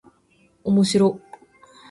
おもしろっ